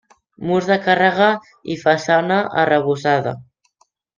Murs de càrrega i façana arrebossada.